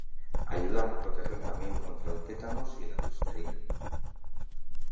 ayudan a proteger también contra el tétanos y la tosferina